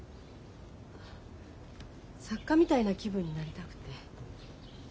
作家みたいな気分になりたくて。